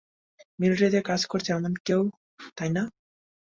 মিলিটারিতে কাজ করেছে এমন কেউ, তাই না?